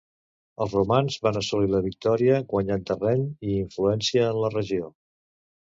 Els romans van assolir la victòria guanyant terreny i influència en la regió.